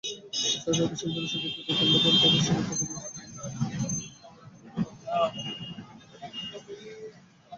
সরকারি বিশ্ববিদ্যালয়ের শিক্ষকদের বেতন-ভাতা অত্যন্ত সীমিত, প্রতিবেশী দেশগুলোর শিক্ষকদের বেতনের তুলনায়ও অনুল্লেখ্য।